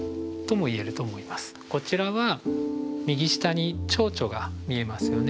こちらは右下にちょうちょが見えますよね。